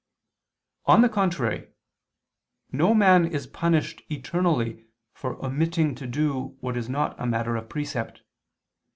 On the contrary, No man is punished eternally for omitting to do what is not a matter of precept.